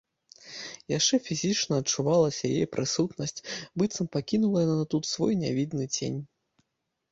Яшчэ фізічна адчувалася яе прысутнасць, быццам пакінула яна тут свой нявідны цень.